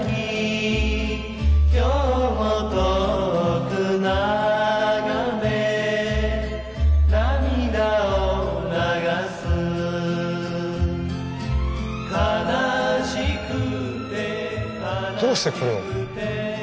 「今日も遠くながめ涙をながす」「悲しくて」どうしてこれを？